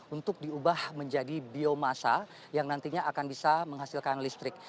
untuk diubah menjadi biomasa yang nantinya akan bisa menghasilkan listrik